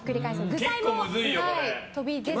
具材も飛び出ずに。